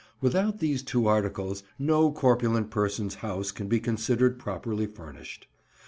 Without these two articles no corpulent person's house can be considered properly furnished.